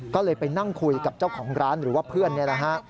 ก็เลยไปนั่งคุยกับเจ้าของร้านหรือว่าเพื่อนนี่แหละฮะ